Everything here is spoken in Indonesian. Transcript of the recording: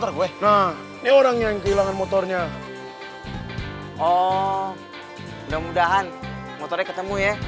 oh mudah mudahan motornya ketemu ya